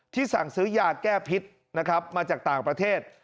ที่สั่งซื้อยากแก้พิษมาจากต่างประเทศ